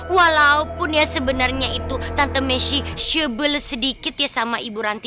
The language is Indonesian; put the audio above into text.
walaupun ya sebenarnya itu tante messi shable sedikit ya sama ibu ranti